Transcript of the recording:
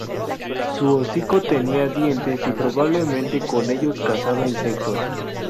Su hocico tenía dientes y probablemente con ellos cazaba insectos.